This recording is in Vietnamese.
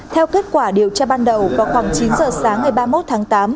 theo kết quả điều tra ban đầu vào khoảng chín giờ sáng ngày ba mươi một tháng tám